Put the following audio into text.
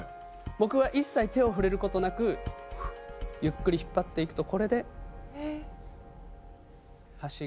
僕は一切手を触れることなくフッゆっくり引っ張っていくとこれで端が。